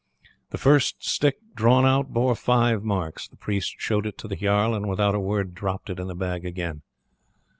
The first stick drawn out bore five marks; the priest showed it to the jarl, and without a word dropped it in the bag again.